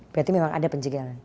berarti memang ada penjegalan